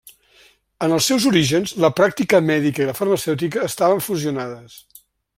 En els seus orígens la pràctica mèdica i la farmacèutica estaven fusionades.